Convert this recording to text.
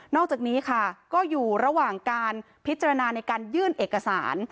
อกจากนี้ค่ะก็อยู่ระหว่างการพิจารณาในการยื่นเอกสาร